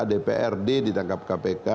dprd ditangkap kpk